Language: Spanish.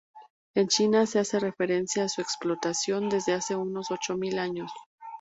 En China se hace referencia a su explotación desde hace unos ocho mil años.